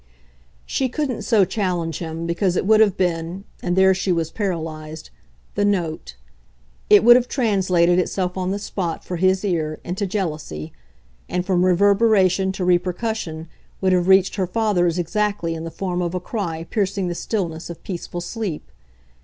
She couldn't so challenge him, because it would have been and there she was paralysed the NOTE. It would have translated itself on the spot, for his ear, into jealousy; and, from reverberation to repercussion, would have reached her father's exactly in the form of a cry piercing the stillness of peaceful sleep.